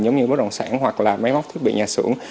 giống như bức đồng sản hoặc là máy móc thiết bị nhà xưởng